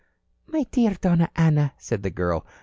"My dear Donna Ana," said the girl.